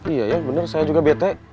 iya iya bener saya juga bete